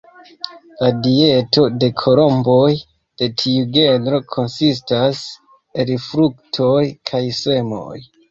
La dieto de kolomboj de tiu genro konsistas el fruktoj kaj semoj.